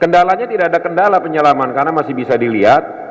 kendalanya tidak ada kendala penyelaman karena masih bisa dilihat